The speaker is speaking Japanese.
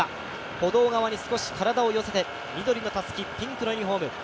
歩道側に少し体を寄せて、緑のたすき、ピンクのユニフォーム